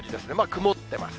曇ってます。